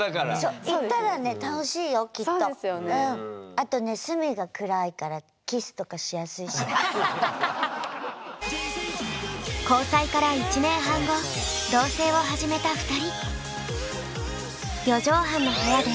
あとね交際から１年半後同棲を始めた２人。